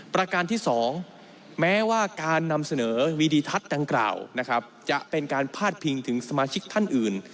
ประการที่๒แม้ว่าการนำเสนอวีดิทัศน์ดังกล่าวนะครับจะเป็นการพาดพิงถึงสมาชิกท่านอื่น